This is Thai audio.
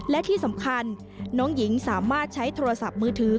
และที่สำคัญน้องหญิงสามารถใช้โทรศัพท์มือถือ